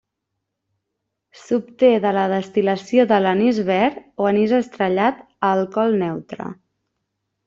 S'obté de la destil·lació de l'anís verd o anís estrellat a alcohol neutre.